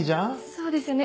そうですよね